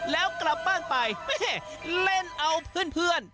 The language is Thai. แล้วกลับบ้านไปแม่เล่นเอาเพื่อน